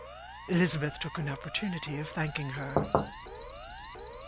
Elizabeth took an opportunity of thanking her.